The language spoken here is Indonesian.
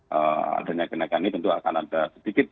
jadi adanya kenaikan ini tentu akan ada sedikit